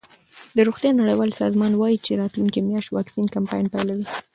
د روغتیا نړیوال سازمان وايي چې راتلونکې میاشت واکسین کمپاین پیلوي.